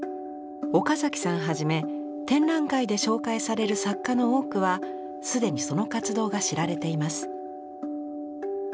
岡さんはじめ展覧会で紹介される作家の多くは既にその活動が知られています。